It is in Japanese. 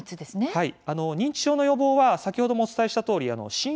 はい。